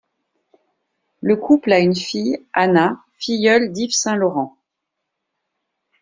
Le couple a une fille, Anna, filleule d'Yves Saint Laurent.